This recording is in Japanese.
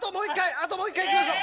あと１回いきましょう！